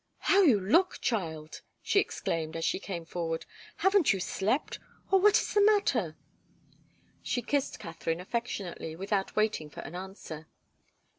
"How you look, child!" she exclaimed, as she came forward. "Haven't you slept? Or what is the matter?" She kissed Katharine affectionately, without waiting for an answer.